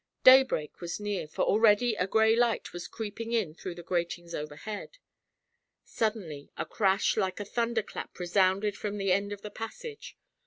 Daybreak was near, for already a gray light was creeping in through the gratings overhead. Suddenly a crash like a thunder clap resounded from the end of the passage.